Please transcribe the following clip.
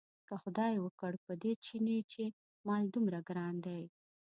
که خدای وکړ په دې چیني چې مال دومره ګران دی.